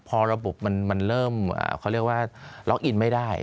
พอระบบมันเริ่มเขาเรียกว่าล็อกอินไม่ได้